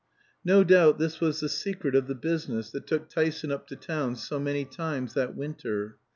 No doubt this was the secret of the business that took Tyson up to town so many times that winter.